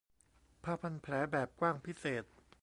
ผ้าพันแผลแบบกว้างพิเศษ